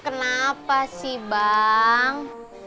kenapa sih bang